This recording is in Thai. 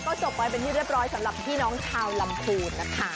ก็จบไว้เป็นที่เรียบร้อยสำหรับพี่น้องชาวลำพูนนะคะ